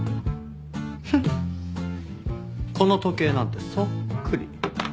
フッこの時計なんてそっくり。